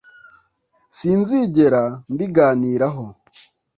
sinzigera mbiganiraho. ..